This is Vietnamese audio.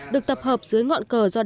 được tập hợp dưới ngọn cờ do đảng cộng sản